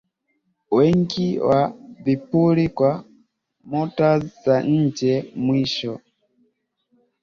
wengi wa vipuri kwa motors za nje mwisho